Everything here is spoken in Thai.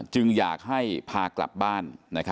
จึงอยากให้พากลับบ้าน